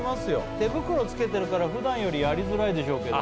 手袋つけてるからふだんよりやりづらいでしょうけど。